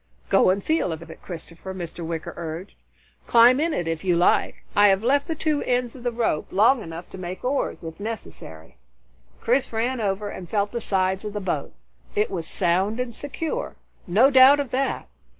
"Go and feel of it, Christopher," Mr. Wicker urged. "Climb in it if you like. I have left the two ends of the rope long enough to make oars, if necessary." Chris ran over and felt the sides of the boat. It was sound and secure, no doubt of that.